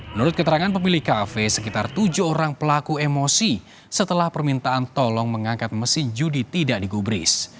menurut keterangan pemilik kafe sekitar tujuh orang pelaku emosi setelah permintaan tolong mengangkat mesin judi tidak digubris